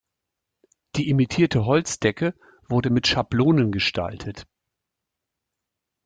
Die imitierte Holzdecke wurde mit Schablonen gestaltet.